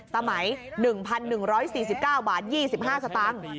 ตะไหม๑๑๔๙บาท๒๕สตางค์